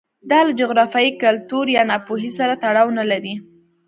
دا له جغرافیې، کلتور یا ناپوهۍ سره تړاو نه لري